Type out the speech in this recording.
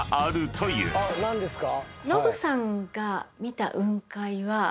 何ですか？